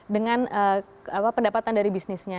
dengan pendapatan dari bisnisnya